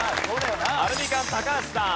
アルミカン高橋さん。